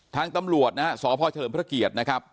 ทางตำรวจนะฮะสพเฉลิมพระเกียรตินะครับ